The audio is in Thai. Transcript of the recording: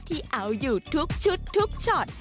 ที่เอาอยู่ทุกชุดทุกช็อต